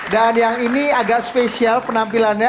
dan yang ini agak spesial penampilannya